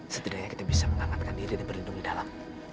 setidaknya kita bisa mengamankan diri dan berlindung di dalam